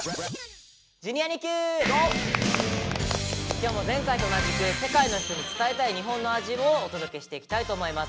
今日も前回と同じく「世界の人に伝えたい日本の味」をお届けしていきたいと思います。